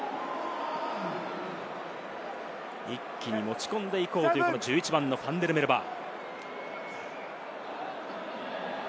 一気に持ち込んでいこうという、１１番のファンデルメルヴァ。